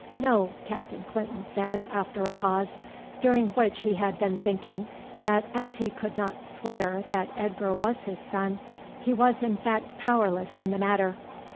"No," Captain Clinton said after a pause, during which he had been thinking that as he could not swear that Edgar was his son, he was in fact powerless in the matter.